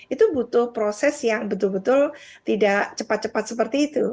itu butuh proses yang betul betul tidak cepat cepat seperti itu